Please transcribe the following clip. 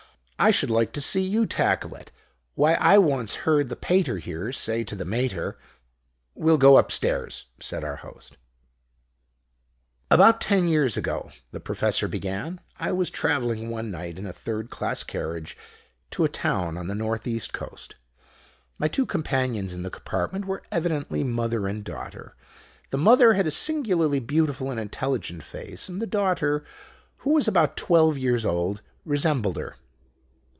I should like to see you tackle it. Why, I once heard the Pater here say to the Mater " "We'll go upstairs," said our Host. "About ten years ago," the Professor began, "I was travelling one night in a third class carriage to a town on the North east Coast. My two companions in the compartment were evidently mother and daughter. The mother had a singularly beautiful and intelligent face; and the daughter, who was about twelve years old, resembled her.